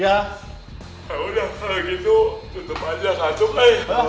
ya udah kalau gitu tutup aja santuk ya